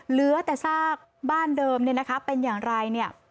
เหลือแต่ทราบ้านเดิมเป็นอย่างไร